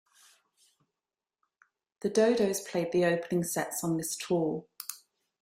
The Dodos played the opening sets on this tour.